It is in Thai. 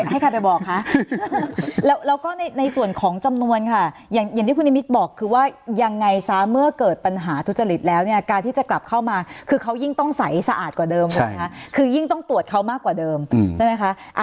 ให้ใครไปบอกคะแล้วก็ในส่วนของจำนวนค่ะอย่างที่คุณนิมิตบอกคือว่ายังไงซะเมื่อเกิดปัญหาทุจริตแล้วเนี่ยการที่จะกลับเข้ามาคือเขายิ่งต้องใสสะอาดกว่าเดิมถูกไหมคะคือยิ่งต้องตรวจเขามากกว่าเดิมใช่ไหมคะ